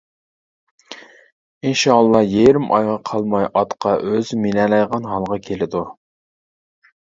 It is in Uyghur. ئىنشائاللا يېرىم ئايغا قالماي ئاتقا ئۆزى مىنەلەيدىغان ھالغا كېلىدۇ.